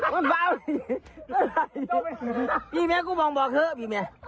มันเฟ้าพี่แม่กูบ่งบอกเถอะพี่แม่